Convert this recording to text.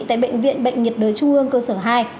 tại bệnh viện bệnh nhiệt đới trung ương cơ sở hai